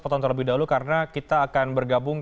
bergabung karena kita akan bergabung